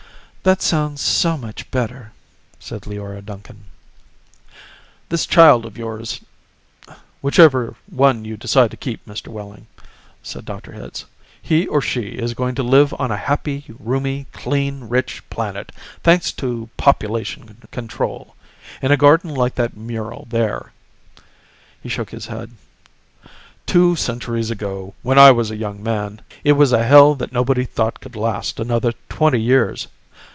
"That sounds so much better," said Leora Duncan. "This child of yours whichever one you decide to keep, Mr. Wehling," said Dr. Hitz. "He or she is going to live on a happy, roomy, clean, rich planet, thanks to population control. In a garden like that mural there." He shook his head. "Two centuries ago, when I was a young man, it was a hell that nobody thought could last another twenty years.